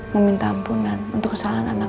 meminta ampunan untuk kesalahan anak